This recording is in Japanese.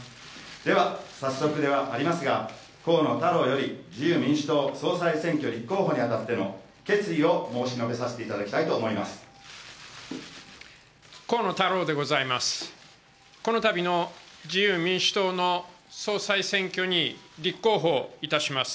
では早速ではありますが河野太郎より自由民主党総裁選挙立候補に当たっての決意を申し述べさせていただきたいと思います。